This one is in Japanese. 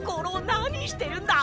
なにしてるんだ！